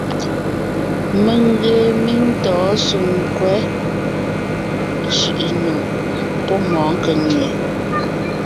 Mèŋ ngee míŋ tɔ̌ɔn Soŋkwɛ̌ Cʉ̀ʼʉnò pɔ́ mɔ̌ɔn Kʉŋnè.